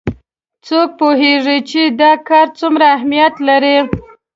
څوک پوهیږي چې دا کار څومره اهمیت لري